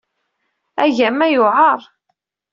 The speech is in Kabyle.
Agama yewɛeṛ